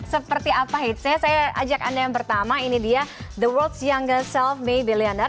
seperti apa hatesnya saya ajak anda yang pertama ini dia the world's youngest self may billionaire